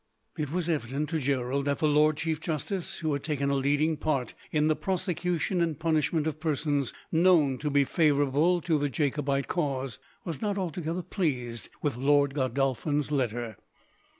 It was evident to Gerald that the lord chief justice, who had taken a leading part in the prosecution and punishment of persons known to be favourable to the Jacobite cause, was not altogether pleased with Lord Godolphin's letter.